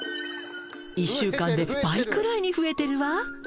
１週間で倍くらいに増えてるわ。